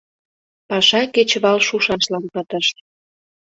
Паша кечывал шушашлан пытыш.